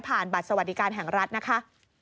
บัตรสวัสดิการแห่งรัฐนะคะ